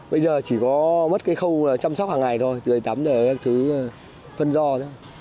bây giờ chỉ có mất cái khâu chăm sóc hàng ngày thôi từ ngày tám giờ các thứ phân do thôi